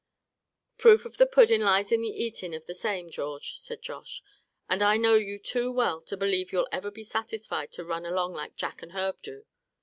"Proof of the puddin' lies in the eatin' of the same, George," said Josh, "and I know you too well to believe you'll ever be satisfied to run along like Jack and Herb do.